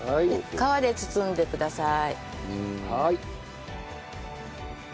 皮で包んでください。